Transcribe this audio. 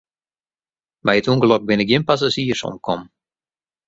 By it ûngelok binne gjin passazjiers omkommen.